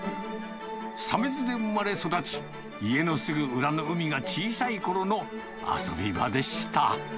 鮫洲で生まれ育ち、家のすぐ裏の海が小さいころの遊び場でした。